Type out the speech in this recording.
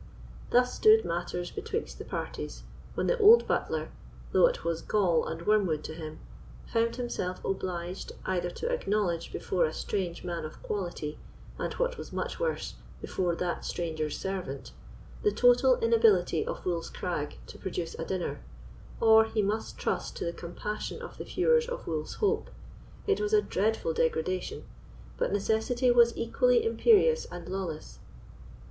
Thus stood matters betwixt the parties, when the old butler, though it was gall and wormwood to him, found himself obliged either to ackowledge before a strange man of quality, and, what was much worse, before that stranger's servant, the total inability of Wolf's Crag to produce a dinner, or he must trust to the compassion of the feuars of Wolf's Hope. It was a dreadful degradation; but necessity was equally imperious and lawless.